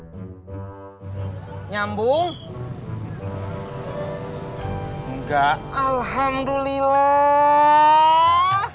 hai nyambung enggak alhamdulillah